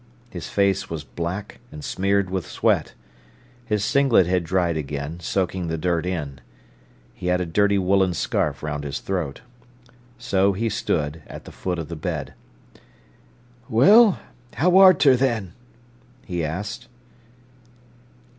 His face was black, and smeared with sweat. His singlet had dried again, soaking the dirt in. He had a dirty woollen scarf round his throat. So he stood at the foot of the bed. "Well, how are ter, then?" he asked.